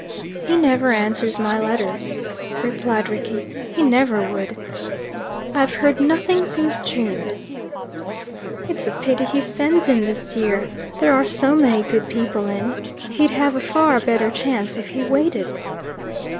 "He never answers my letters," replied Rickie. "He never would. I've heard nothing since June." "It's a pity he sends in this year. There are so many good people in. He'd have afar better chance if he waited."